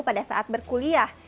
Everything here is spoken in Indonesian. pada saat berkuliah